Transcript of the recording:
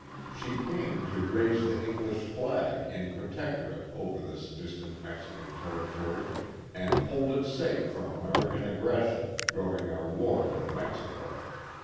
She came to raise the English flag "in protectorate" over this distant Mexican territory and "hold it safe from American aggression " during our war with Mexico.